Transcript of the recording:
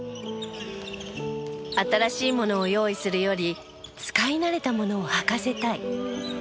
新しいものを用意するより使い慣れたものを履かせたい。